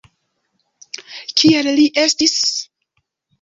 Kiel li estis?